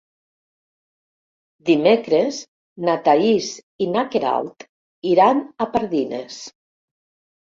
Dimecres na Thaís i na Queralt iran a Pardines.